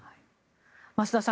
増田さん